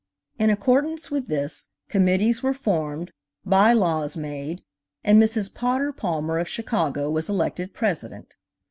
In accordance with this, committees were formed, by laws made, and Mrs. Potter Palmer, of Chicago, was elected President.